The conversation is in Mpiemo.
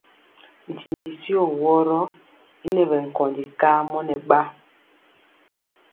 Ntindi tyio woro y ŋɛ bɛ nkóndi kamɔ nɛ ba.